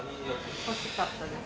欲しかったです？